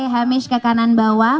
heimis ke kanan bawah